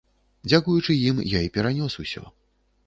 Дзякуючы ім я і перанёс усё.